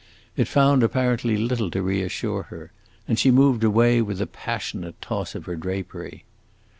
It found apparently little to reassure her, and she moved away with a passionate toss of her drapery.